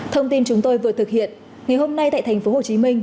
thông tin chúng tôi vừa thực hiện ngày hôm nay tại thành phố hồ chí minh